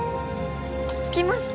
着きました。